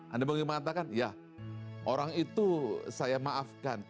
anda boleh mengatakan ya orang itu saya maafkan